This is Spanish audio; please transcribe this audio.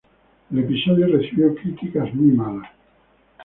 El episodio recibió críticas muy malas.